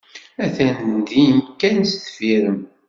Attan din kan sdeffir-m.